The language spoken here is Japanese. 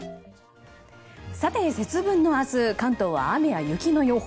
節分の明日関東は雨や雪の予報。